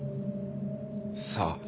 さあ。